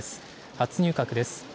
初入閣です。